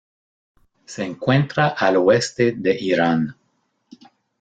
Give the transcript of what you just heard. Se encuentra al oeste de Irán.